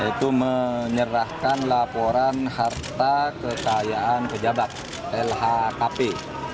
saya menyerahkan laporan harta kekayaan pejabat lhkpn